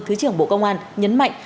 thứ trưởng bộ công an nhấn mạnh